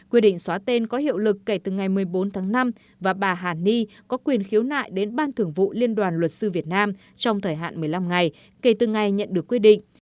quy định xóa tên có hiệu lực kể từ ngày một mươi bốn tháng năm và bà hàn ni có quyền khiếu nại đến ban thưởng vụ liên đoàn luật sư việt nam trong thời hạn một mươi năm ngày kể từ ngày nhận được quyết định